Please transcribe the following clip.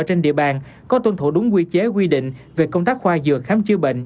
trên địa bàn có tuân thủ đúng quy chế quy định về công tác khoa dược khám chữa bệnh